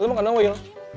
lo emang kenapa ya